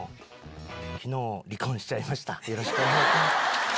よろしくお願いします。